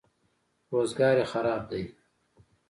روزګار یې خراب دی.